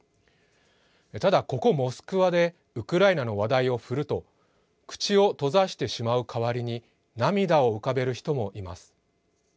ただここモスクワでウクライナの話題を振ると口を閉ざしてしまう代わりに涙を浮かべる人もいます。